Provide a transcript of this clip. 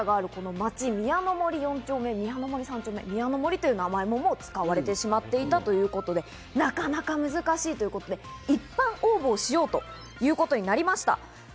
さらにこの神社がある街、宮の森４丁目、宮の森３丁目、宮の森という名前ももう使われてしまっていたということで、なかなか難しいということで一般応募しようってことになりました。